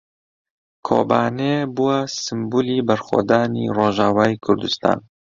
کۆبانێ بووە سمبولی بەرخۆدانی ڕۆژاوای کوردستان.